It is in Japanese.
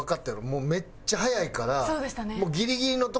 もうめっちゃ早いから。